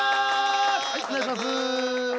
お願いします。